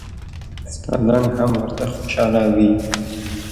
استادان هم ورته خوشاله وي.